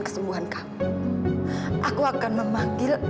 dan rupanya aku akan speakert